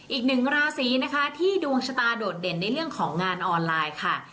อีกหนึ่งราศีนะคะที่ดวงชะตาโดดเด่นในเรื่องของงานออนไลน์ค่ะ